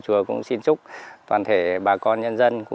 thì sẽ có một lúc